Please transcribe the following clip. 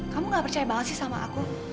kamu gak percaya banget sih sama aku